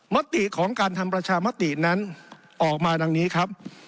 มติของการทำประชามตินั้นออกมาดังนี้ครับ